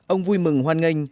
ông vui mừng hoan nghênh